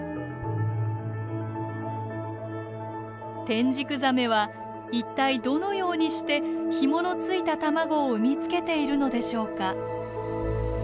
テンジクザメは一体どのようにしてヒモのついた卵を産みつけているのでしょうか？